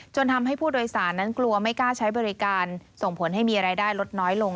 ทำให้ผู้โดยสารนั้นกลัวไม่กล้าใช้บริการส่งผลให้มีรายได้ลดน้อยลง